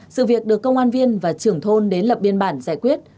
sự việc được công an viên và trưởng thôn đến lập biên bản giải quyết